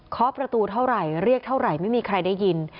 ขอประตูเท่าไหร่เรียกเท่าไหร่ไม่มีใครได้ยิน